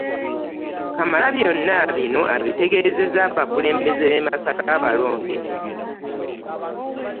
Kamalabyonna bino abitegeezezza abakulembeze b'e Masaka abalonde